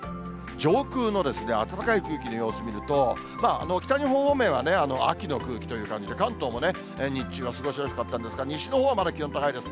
上空の暖かい空気の様子見ると、北日本方面は秋の空気という感じで、関東も日中は過ごしやすかったんですが、西のほうはまだ気温高いです。